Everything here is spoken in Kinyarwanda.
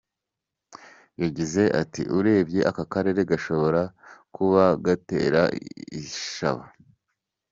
Yagize ati “Urebye aka karere gashobora kuba gatera ishaba.